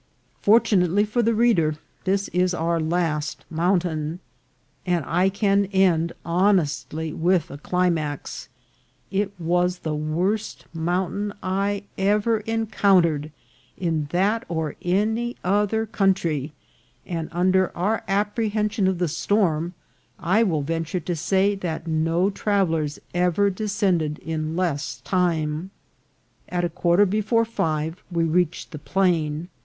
Fortunately for the reader, this is our last mountain, and I can end honestly with a climax : it was the worst mountain I ever encountered in that or any other country, and, un der our apprehension of the storm, I will venture to say that no travellers ever descended in less time. At a quarter before five we reached the plain.